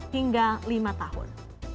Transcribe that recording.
tiga hingga lima tahun